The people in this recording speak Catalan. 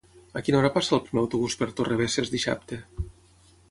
A quina hora passa el primer autobús per Torrebesses dissabte?